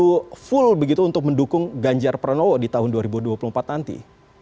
itu full begitu untuk mendukung ganjar pranowo di tahun dua ribu dua puluh empat nanti